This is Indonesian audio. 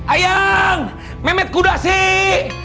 ayang memet kudas sih